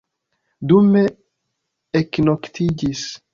Dume eknoktiĝis.